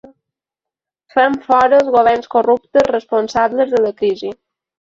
Fem fora els governs corruptes responsables de la crisi.